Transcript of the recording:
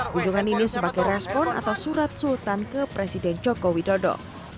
kunjungan ini sebagai respon atau surat sultan ke presiden joko widodo